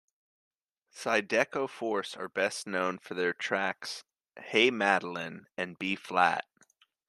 Zydeco Force are best known for their tracks "Hey Madeline" and "B-Flat".